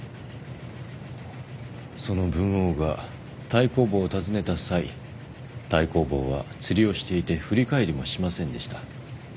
その文王が太公望を訪ねた際太公望は釣りをしていて振り返りもしませんでした。